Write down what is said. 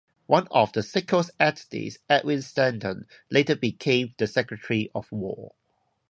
One of Sickles' attorneys, Edwin Stanton, later became the Secretary of War.